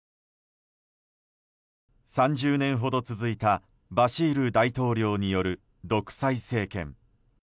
３０年ほど続いたバシル大統領による独裁政権。